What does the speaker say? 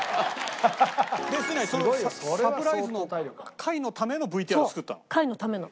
サプライズの会のためのＶＴＲを作ったの？